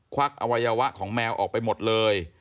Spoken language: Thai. วักอวัยวะของแมวออกไปหมดเลย